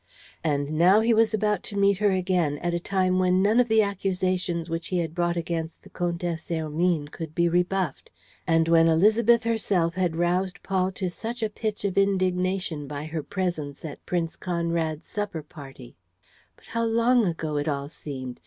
And now he was about to meet her again at a time when none of the accusations which he had brought against the Comtesse Hermine could be rebuffed and when Élisabeth herself had roused Paul to such a pitch of indignation by her presence at Prince Conrad's supper party! ... But how long ago it all seemed!